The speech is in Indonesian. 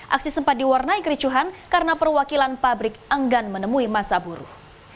aksi sempat diwarnai kericuhan karena perwakilan pabrik enggan menemui masa buruh